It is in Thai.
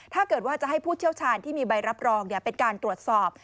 ถ้าเกิดว่าจะให้ผู้เชี่ยวชาญที่มีใบรับรองเป็นการตรวจสอบ